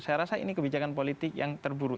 saya rasa ini kebijakan politik yang terburuk